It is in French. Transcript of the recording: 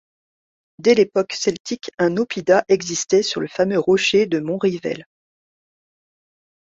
Dès l’époque celtique, un oppida existait sur le fameux rocher de Montrivel...